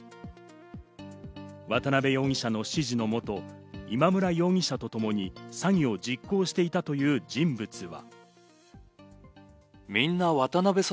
渡辺容疑者の指示のもと、今村容疑者とともに詐欺を実行していたという人物は。